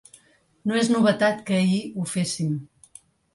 No és novetat que ahir ho féssim.